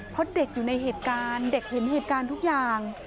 เพราะเด็กอยู่ในเหตุการณ์เด็กเห็นเหตุการณ์ทุกอย่าง